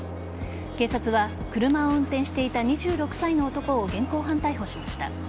警察は、車を運転していた２６歳の男を現行犯逮捕しました。